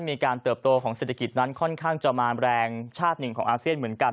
เติบโตของเศรษฐกิจนั้นค่อนข้างจะมาแรงชาติหนึ่งของอาเซียนเหมือนกัน